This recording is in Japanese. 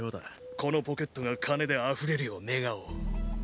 このポケットが金であふれるよう願おう。